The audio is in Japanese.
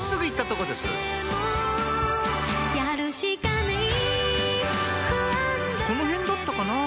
「この辺だったかなぁ」